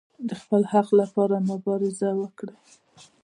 د خپل حق لپاره مبارزه وکړئ